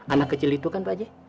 anak kecil itu kan pak j